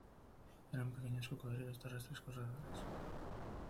Eran pequeños cocodrilos terrestres corredores.